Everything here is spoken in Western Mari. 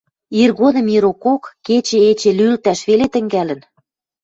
Иргодым ирокок, кечӹ эче лӱлтӓш веле тӹнгӓлӹн